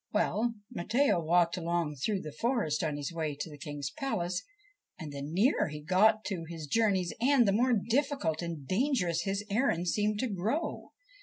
Well, Matteo walked along through the forest on his way to the King's palace, and the nearer he got to his journey's end the more difficult and dangerous his errand seemed to grow.